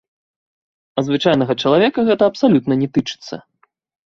А звычайнага чалавека гэта абсалютна не тычыцца.